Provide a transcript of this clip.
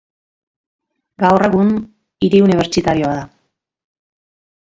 Gaur egun hiri unibertsitarioa da.